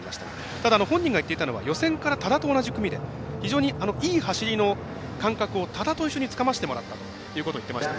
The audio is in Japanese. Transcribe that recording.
ただ本人が言っていたのは予選から、多田と同じ組で非常にいい走りの感覚を多田と一緒につかませてもらったということを言っていました。